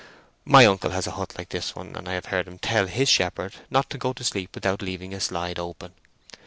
My uncle has a hut like this one, and I have heard him tell his shepherd not to go to sleep without leaving a slide open.